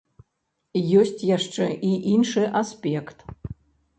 Ёсць яшчэ і іншы аспект.